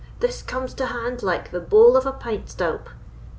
this comes to hand like the boul of a pint stoup."